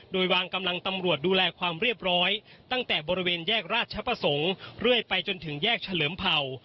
โดยวางกำลังตำรวจดูแลความเรียบร้อยตั้งแต่บริเวณแยกราชประสงค์เรื่อยไปจนถึงแยกเฉลิมเผ่า